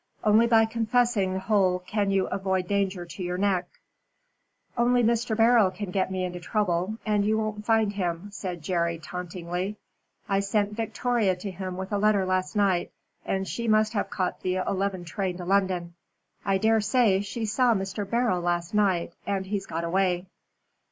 Only by confessing the whole can you avoid danger to your neck." "Only Mr. Beryl can get me into trouble, and you won't find him," said Jerry, tauntingly. "I sent Victoria to him with a letter last night, and she must have caught the eleven train to London. I daresay she saw Mr. Beryl last night, and he's got away."